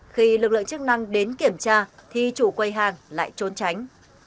khi lực lượng chức năng đến kiểm tra thì chủ quầy hàng lại trốn tránh